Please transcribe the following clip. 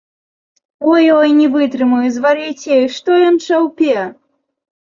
Ой, ой, не вытрымаю, звар'яцею, што ён чаўпе?!.